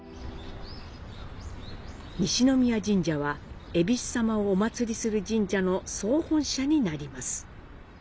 西宮神社は、えびすさまをお祀りする神社の総本社になります。